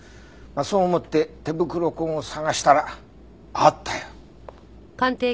そう思って手袋痕を捜したらあったよ。